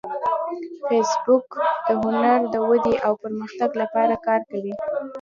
فېسبوک د هنر د ودې او پرمختګ لپاره کار کوي